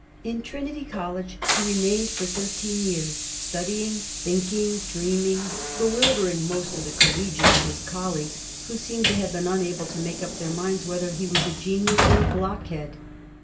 In Trinity College he remained for thirteen years, studying, thinking, dreaming, bewildering most of the col legians, his colleagues, who seemed to have been unable to make up their minds whether he was a genius or a blockhead.